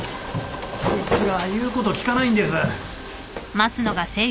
こいつが言うこと聞かないんです。